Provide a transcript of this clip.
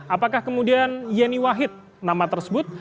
apakah kemudian yeni wahid nama tersebut